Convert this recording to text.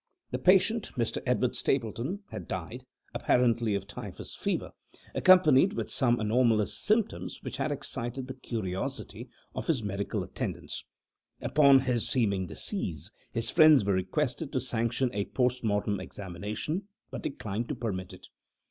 The patient, Mr. Edward Stapleton, had died, apparently of typhus fever, accompanied with some anomalous symptoms which had excited the curiosity of his medical attendants. Upon his seeming decease, his friends were requested to sanction a post mortem examination, but declined to permit it.